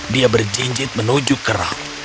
dia berjinjit menuju kerang